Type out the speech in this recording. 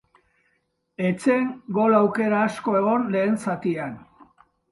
Ez zen gol aukera asko egon lehen zatian.